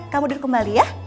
kamu duduk kembali ya